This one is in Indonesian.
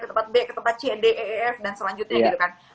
ke tempat b ke tempat c d e f dan selanjutnya